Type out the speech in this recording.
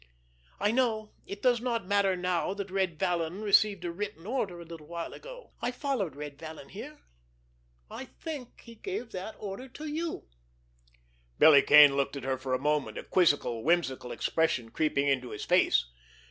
I know, it does not matter how, that Red Vallon received a written order a little while ago. I followed Red Vallon here. I think he gave that order to you." Billy Kane looked at her for a moment, a quizzical, whimsical expression creeping into his face.